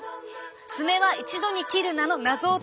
「爪は一度に切るな！」の謎を解く鍵。